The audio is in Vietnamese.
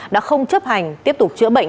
đã không chấp hành tiếp tục chữa bệnh